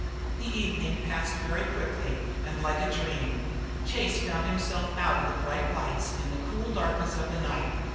The evening passed very quickly and like a dream. Chase found himself out of the bright lights in the cool darkness of the night.